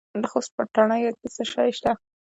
د خوست په تڼیو کې څه شی شته؟